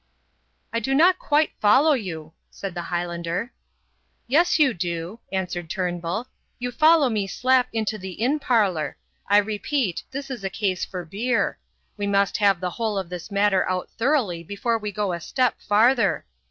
"I do not quite follow you," said the Highlander. "Yes, you do," answered Turnbull. "You follow me slap into the inn parlour. I repeat, this is a case for beer. We must have the whole of this matter out thoroughly before we go a step farther.